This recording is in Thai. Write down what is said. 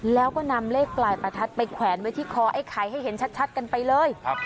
แล้วก็นำเลขปลายประทัดไปแขวนไว้ที่คอไอ้ไข่ให้เห็นชัดกันไปเลย